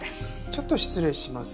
ちょっと失礼します。